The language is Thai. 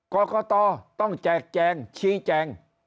กรกตต้องแจกแจงชี้แจง